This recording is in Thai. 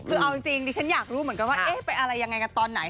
คือเอาจริงดิฉันอยากรู้เหมือนกันว่าเอ๊ะไปอะไรยังไงกันตอนไหน